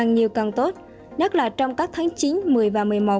nhiều càng tốt nhất là trong các tháng chín một mươi và một mươi một